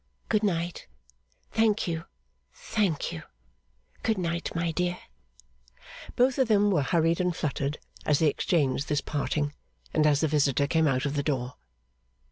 'Good night. Thank you, thank you. Good night, my dear!' Both of them were hurried and fluttered as they exchanged this parting, and as the visitor came out of the door.